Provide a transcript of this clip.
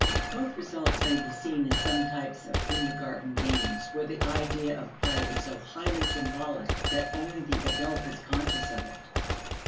Both results may be seen in some types of kindergarten games where the idea of play is so highly symbolic that only the adult is conscious of it.